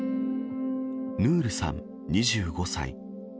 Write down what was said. ヌールさん２５歳。